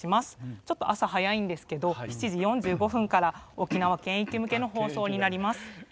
ちょっと朝早いんですけれども７時４５分から沖縄県域向けの放送になります。